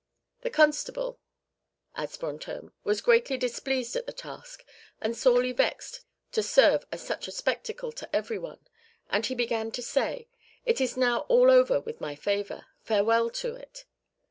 The Constable," adds Brantôme, "was greatly displeased at the task, and sorely vexed to serve as such a spectacle to every one; and he began to say, 'It is now all over with my favour. Farewell to it.